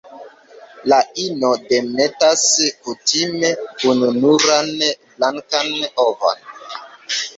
La ino demetas kutime ununuran blankan ovon.